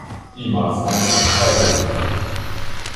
Die Maßnahme ist freiwillig.